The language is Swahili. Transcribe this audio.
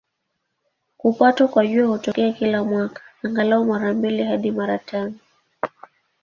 Kupatwa kwa Jua hutokea kila mwaka, angalau mara mbili hadi mara tano.